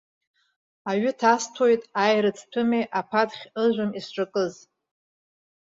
Аҩы ҭасҭәоит, аирыӡ ҭәымеи, аԥаҭхь ыжәым исҿакыз.